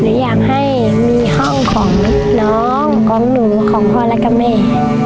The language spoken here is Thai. อยากให้มีห้องของน้องของหนูของพ่อและกับแม่